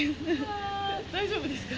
大丈夫ですか？